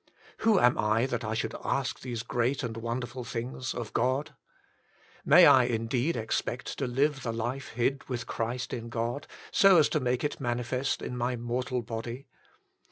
Who am I that I should ask these great and wonderful things of God? May I indeed expect to live the life hid with Christ in God, so as to make it manifest in my mortal body?